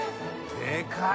でかい！